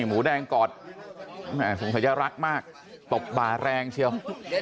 ผู้แดงกอดแสดงจะรักมากตบบ่าแรงเชียว